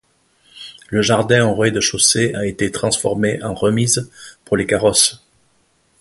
Le jardin au rez-de-chaussée a été transformé en remise pour les carrosses.